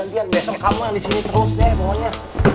besok kamu yang disini terus deh mohon ya